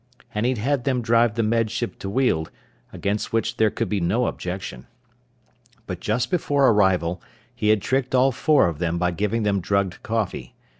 And he'd had them drive the Med Ship to Weald, against which there could be no objection. But just before arrival he had tricked all four of them by giving them drugged coffee.